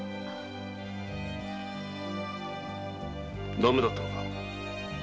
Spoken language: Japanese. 駄目だったのか？